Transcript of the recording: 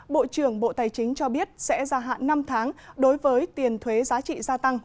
bộ trưởng bộ tài chính cho biết sẽ gia hạn năm tháng đối với tiền thuế giá trị gia tăng